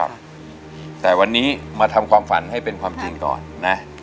ครับแต่วันนี้มาทำความฝันให้เป็นความจริงก่อนนะ